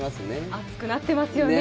熱くなっていますよね。